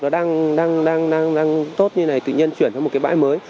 nó đang tốt như này tự nhiên chuyển sang một cái bãi mới